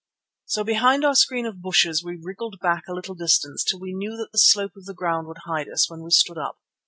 So behind our screen of bushes we wriggled back a little distance till we knew that the slope of the ground would hide us when we stood up.